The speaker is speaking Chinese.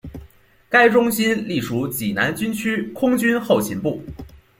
该中心隶属济南军区空军后勤部。